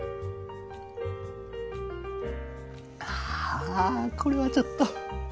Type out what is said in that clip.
あこれはちょっと。